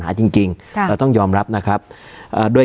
การแสดงความคิดเห็น